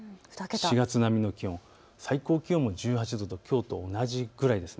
４月並みの気温、最高気温も１８度、きょうと同じくらいです。